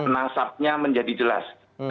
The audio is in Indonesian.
nasabnya menjadi jelas